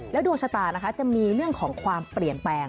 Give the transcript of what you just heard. ดวงชะตานะคะจะมีเรื่องของความเปลี่ยนแปลง